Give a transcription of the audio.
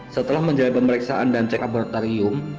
setelah menjalin pemeriksaan dan cek abortarium